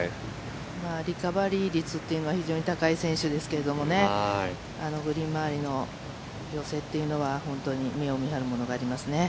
リカバリー率というのが高い選手ですけれどもグリーン周りの寄せというのは本当に目を見張るものがありますね。